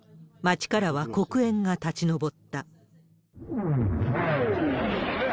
街からは黒煙が立ち上った。